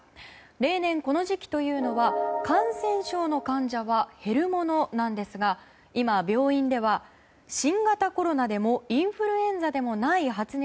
例年、この時期というのは感染症の患者は減るものなんですが今、病院では新型コロナでもインフルエンザでもない発熱